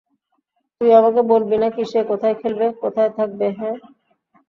তুই আমাকে বলবি নাকি সে কোথায় খেলবে, কোথায় থাকবে, হ্যাঁ?